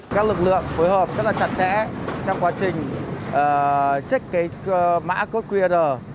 các lực lượng phối hợp rất là chặt chẽ trong quá trình check cái mã code qr